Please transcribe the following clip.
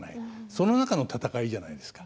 その中の戦いじゃないですか。